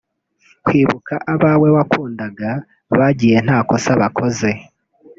Kwibuka abawe wakundaga bagiye nta kosa bakoze